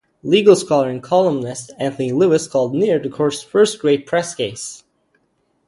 Legal scholar and columnist Anthony Lewis called "Near" the Court's "first great press case".